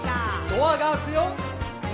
「ドアが開くよ」